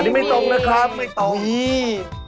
อันนี้ไม่ตรงนะครับไม่ตรง